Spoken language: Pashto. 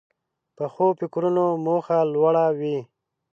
پخو فکرونو موخه لوړه وي